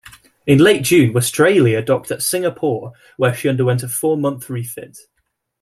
In late June, "Westralia" docked at Singapore, where she underwent a four-month refit.